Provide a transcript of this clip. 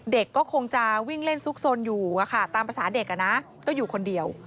เด็กก็คงจะวิ่งเล่นซุกซนอยู่ตามภาษาเด็กก็อยู่คนเดียว